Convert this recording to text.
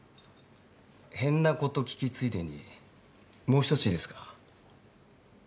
変なこと聞きついでにもう一ついいですか？